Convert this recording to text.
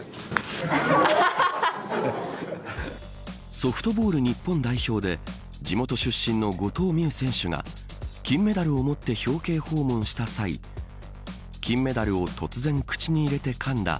ソフトボール日本代表で地元出身の後藤希友選手が金メダルを持って表敬訪問した際金メダルを突然口に入れてかんだ